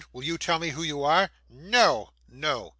'Will you tell me who you are?' 'No!' 'No!